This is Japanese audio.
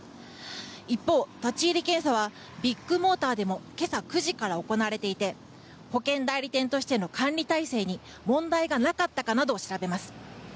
一方、立ち入り検査はビッグモーターでも今朝９時から行われていて保険代理店としての管理体制に問題がなかったかなどを調べます。